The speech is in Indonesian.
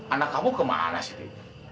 anak kamu kemana siti